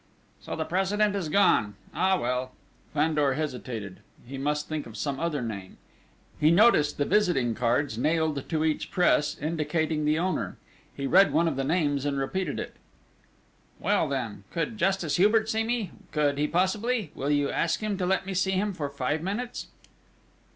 "So the President has gone? Ah, well ..." Fandor hesitated: he must think of some other name. He noticed the visiting cards nailed to each press, indicating the owner. He read one of the names and repeated it: "Well, then, could Justice Hubert see me could he possibly? Will you ask him to let me see him for five minutes?"